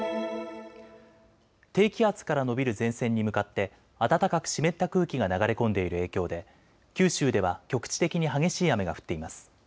低気圧から延びる前線に向かって暖かく湿った空気が流れ込んでいる影響で九州では局地的に激しい雨が降っています。